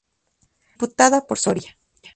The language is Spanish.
Diputada por Soria.